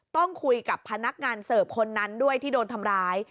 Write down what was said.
ต้องคุยกับพนักงานเสิร์ฟคนนั้นด้วยที่โดนทำร้าย